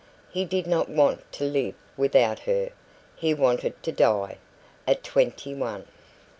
He did not want to live without her he wanted to die. At twenty one!